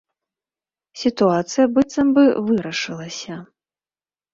Сітуацыя, быццам бы, вырашылася.